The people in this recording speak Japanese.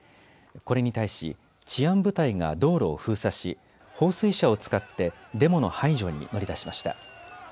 これに対し治安部隊が道路を封鎖し放水車を使ってデモの排除に乗り出しました。